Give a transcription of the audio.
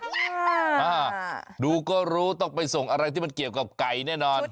อ่าดูก็รู้ต้องไปส่งอะไรที่มันเกี่ยวกับไก่แน่นอน